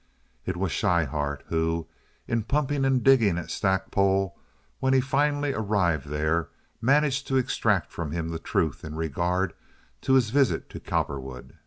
It was Schryhart who, in pumping and digging at Stackpole when he finally arrived there, managed to extract from him the truth in regard to his visit to Cowperwood.